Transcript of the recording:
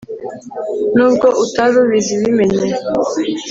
nubwo utari ubizi bimenye